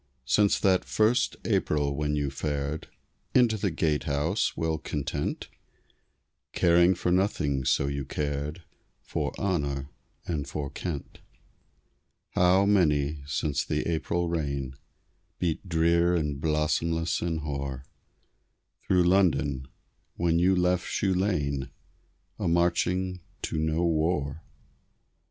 Since that first April when you fared Into the Gatehouse, well content, Caring for nothing so you cared For honor and for Kent. How many, since the April rain Beat drear and blossomless and hoar Through London, when you left Shoe Lane, A marching to no war!